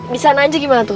di sana aja gimana tuh